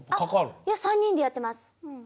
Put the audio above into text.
いや３人でやってます。